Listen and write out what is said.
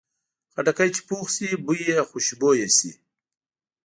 خټکی چې پوخ شي، بوی یې خوشبویه شي.